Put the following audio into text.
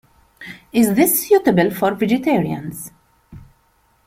Is this suitable for vegetarians?